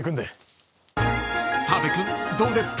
［澤部君どうですか？］